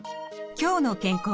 「きょうの健康」。